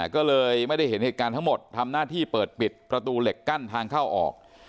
ก็เลยไม่ได้เห็นเหตุการณ์ทั้งหมดทำหน้าที่เปิดปิดประตูเหล็กกั้นทางเข้าออก